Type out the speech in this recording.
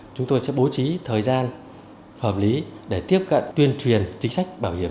chúng tôi sẽ bố trí thời gian hợp lý để tiếp cận tuyên truyền chính sách bảo hiểm